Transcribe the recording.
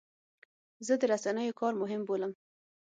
زه د رسنیو کار مهم بولم.